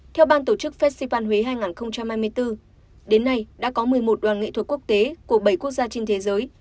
theo ban tổ chức festival huế hai nghìn hai mươi bốn đến nay đã có một mươi một đoàn nghệ thuật quốc tế của bảy quốc gia trên thế giới